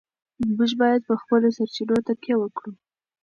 موږ باید په خپلو سرچینو تکیه وکړو.